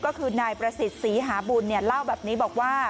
ก็คือนายประสิทธิ์ศรีหาบุญเล่าแบบนี้บอกว่า